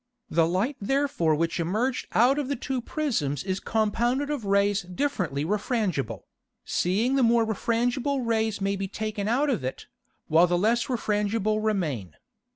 The Light therefore which emerged out of the two Prisms is compounded of Rays differently refrangible, seeing the more refrangible Rays may be taken out of it, while the less refrangible remain.